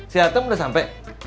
si atem udah sampe